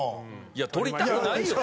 いや撮りたくないよ。